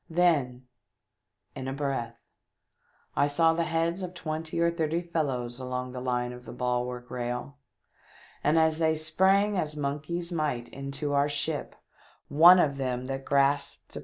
Then, in a breath, I saw the heads of twenty or thirty fellows along the line of the bulwark rail, and as they sprang as monkeys might into our ship, one of them that grasped a 365 THE DEATH SHIP.